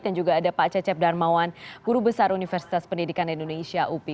dan juga ada pak cecep darmawan guru besar universitas pendidikan indonesia upi